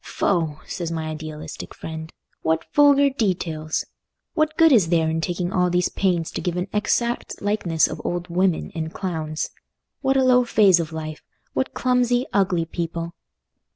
"Foh!" says my idealistic friend, "what vulgar details! What good is there in taking all these pains to give an exact likeness of old women and clowns? What a low phase of life! What clumsy, ugly people!"